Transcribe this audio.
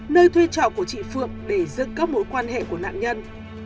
nơi thuê trọ của chị phượng để dựng các mối quan hệ của nạn nhân